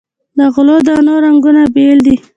د غلو دانو رنګونه بیل دي.